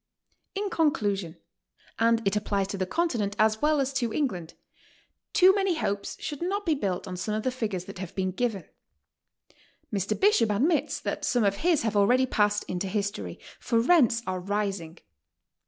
In conclusion, — and it applies to the Continent as well as to England, — ^too many hopes should not be built on some of the figures that have been given. Mr. Bishop admits that some of his have already passed into history, for rents are rising.